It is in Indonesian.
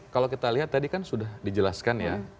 kalau kita lihat tadi kan sudah dijelaskan ya